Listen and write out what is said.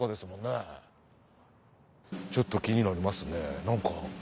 ちょっと気になりますね何か。